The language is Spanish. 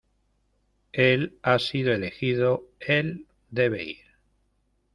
Él ha sido elegido. Él debe ir .